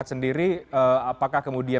sendiri apakah kemudian